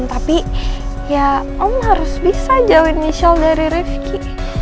tapi ya om harus bisa jauhin michelle dari rifki